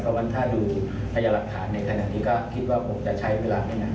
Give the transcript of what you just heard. เพราะฉะนั้นถ้าดูพยาหลักฐานในขณะนี้ก็คิดว่าคงจะใช้เวลาไม่นาน